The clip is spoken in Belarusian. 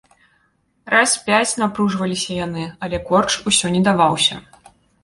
Раз пяць напружваліся яны, але корч усё не даваўся.